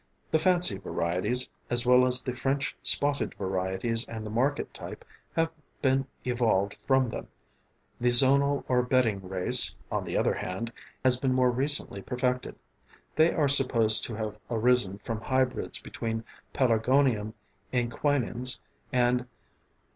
The fancy varieties, as well as the French spotted varieties and the market type, have been evolved from them. The zonal or bedding race, on the other hand, has been more recently perfected; they are supposed to have arisen from hybrids between Pelargonium inquinans and _P.